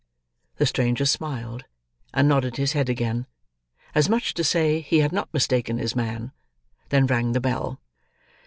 The stranger smiled, and nodded his head again: as much to say, he had not mistaken his man; then rang the bell.